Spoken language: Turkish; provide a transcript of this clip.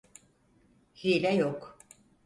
Hile yok.